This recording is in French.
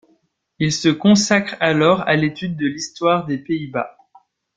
Il se consacre alors à l'étude de l'histoire des Pays-Bas.